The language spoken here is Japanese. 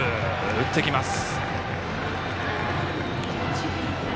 打ってきます。